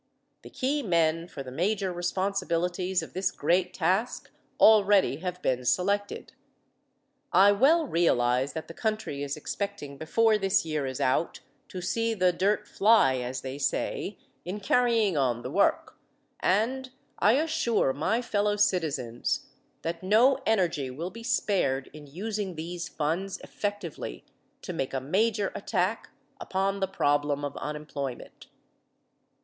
The key men for the major responsibilities of this great task already have been selected. I well realize that the country is expecting before this year is out to see the "dirt fly", as they say, in carrying on the work, and I assure my fellow citizens that no energy will be spared in using these funds effectively to make a major attack upon the problem of unemployment.